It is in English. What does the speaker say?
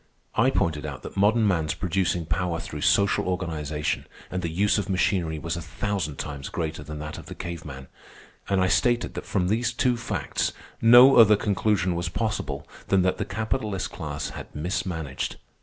I pointed out that modern man's producing power through social organization and the use of machinery was a thousand times greater than that of the cave man. And I stated that from these two facts no other conclusion was possible than that the capitalist class had mismanaged.